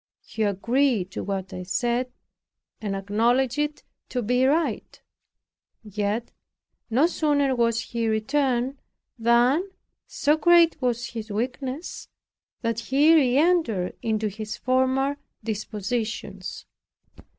He agreed to what I said, and acknowledged it to be right; yet no sooner was he returned, than, so great was his weakness that he re entered into his former dispositions.